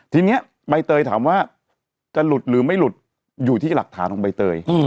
ทีนี้ใบเตยถามว่าจะหลุดหรือไม่หลุดอยู่ที่หลักฐานของใบเตย